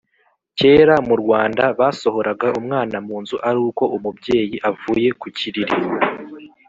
Kera murwanda basohoraga umwana munzu aruko umubyeyi avuye kukiriri